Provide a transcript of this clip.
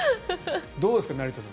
どうですか、成田さん。